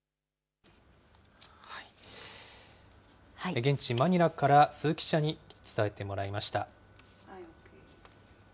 現地、マニラから鈴木記者に伝えてもらいました。